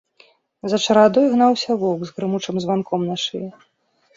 За чарадой гнаўся воўк з грымучым званком на шыі.